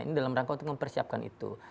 ini dalam rangka untuk mempersiapkan itu